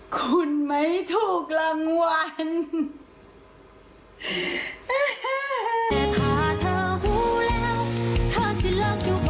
คุณไม่ถูกรางวัล